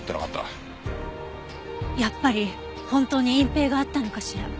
やっぱり本当に隠蔽があったのかしら。